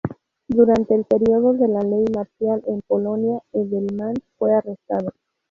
Durante el período de la ley Marcial en Polonia, Edelman fue arrestado.